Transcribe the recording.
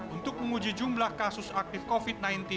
untuk menguji jumlah kasus aktif covid sembilan belas